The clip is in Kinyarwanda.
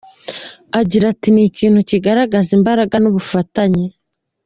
Agira ati “Ni ikintu kigaragaza imbaraga n’ubufatanye.